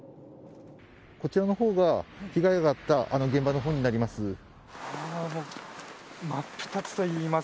こちらのほうが被害があった現場になります。